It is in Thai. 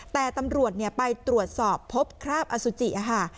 แต่ตำรวจเนี่ยไปตรวจสอบพบคราบอสุจิอ่ะฮะ